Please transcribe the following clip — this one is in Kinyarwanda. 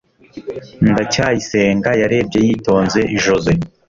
ndacyayisenga yarebye yitonze joze